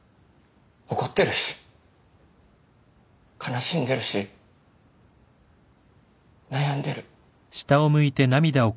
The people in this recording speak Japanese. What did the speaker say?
怒ってるし悲しんでるし悩んでる。